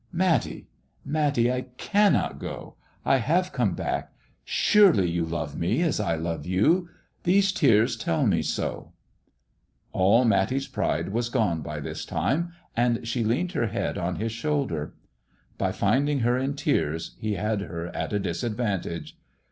" Matty ! Matty ! I cannot go ! I have come back. Surely you love me as I love you ! These tears tell me so." MISS JONATHAN 191 All Matty's pride was gone by this time, and she leaned ber head on his shoulder. By finding her in tears he had ber at a disadvantage.